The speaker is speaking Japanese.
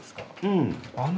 うん。